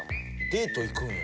デート行くんや。